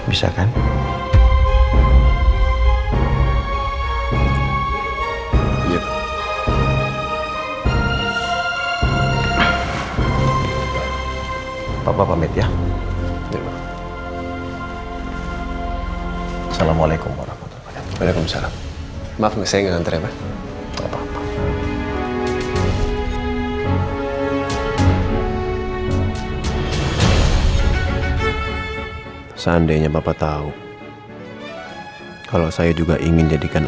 assalamualaikum warahmatullahi wabarakatuh